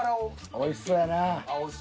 おいしそうやな。